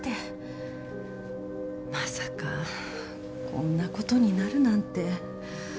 まさかこんなことになるなんて。